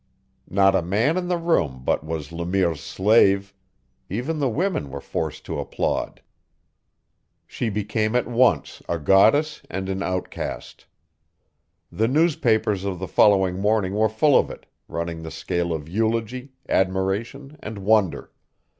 Not a man in the room but was Le Mire's slave; even the women were forced to applaud. She became at once a goddess and an outcast. The newspapers of the following morning were full of it, running the scale of eulogy, admiration, and wonder.